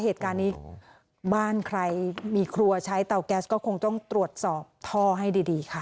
เหตุการณ์นี้บ้านใครมีครัวใช้เตาแก๊สก็คงต้องตรวจสอบท่อให้ดีค่ะ